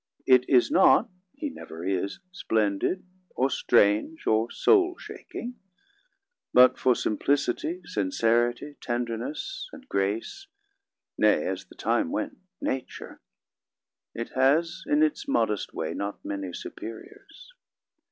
It is not he never is splendid, or strange, or soul shaking; but for simplicity, sincerity, tenderness, and grace nay, as the time went, nature it has, in its modest way, not many superiors.